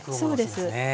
そうです。